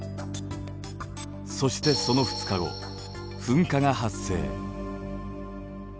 そしてその２日後噴火が発生。